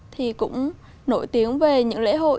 thì cũng nổi tiếng về những lễ hội